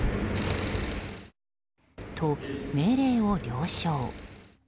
命令を了承。